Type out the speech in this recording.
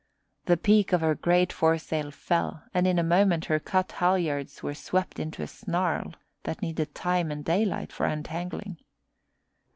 The peak of her great foresail fell and in a moment her cut halyards were swept into a snarl that needed time and daylight for untangling.